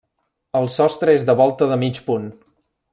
El sostre és de volta de mig punt.